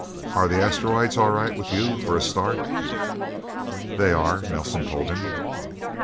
"Are the asteroids all right with you for a start?" "They are," Nelsen told him.